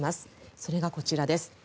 それがこちらです。